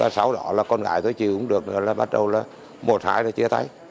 sau đó con gái tôi chịu không được bắt đầu một hái chia tay